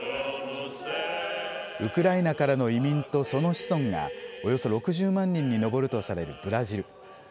ウクライナからの移民とその子孫がおよそ６０万人に上るとされるブラジル。